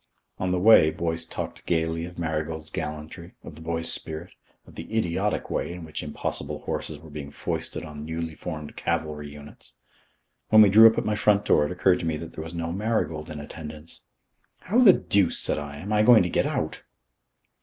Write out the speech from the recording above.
On the way Boyce talked gaily of Marigold's gallantry, of the boy's spirit, of the idiotic way in which impossible horses were being foisted on newly formed cavalry units. When we drew up at my front door, it occurred to me that there was no Marigold in attendance. "How the deuce," said I, "am I going to get out?"